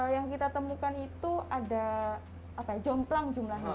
yang kita temukan itu ada jomplang jumlahnya